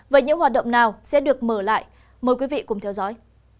vậy những hoạt động nào sẽ được mở lại mời quý vị cùng theo dõi